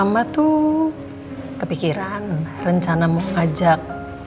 mama tuh kepikiran rencana mau ngajak